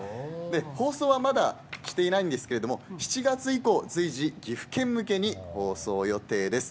放送はまだしていないんですけど７月以降、随時、岐阜県向けに放送予定です。